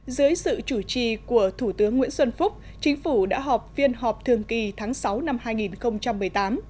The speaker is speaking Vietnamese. dưới sự chủ trì của thủ tướng nguyễn xuân phúc chính phủ đã họp phiên họp thường kỳ tháng sáu năm hai nghìn một mươi tám